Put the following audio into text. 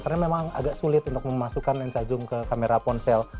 karena memang agak sulit untuk memasukkan lensa zoom ke kamera ponsel